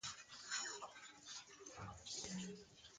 جون او